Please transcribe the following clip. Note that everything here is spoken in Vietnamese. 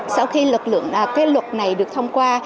sau khi lực lượng cái luật này được thông qua